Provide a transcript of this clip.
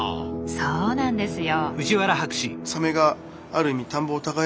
そうなんですよ。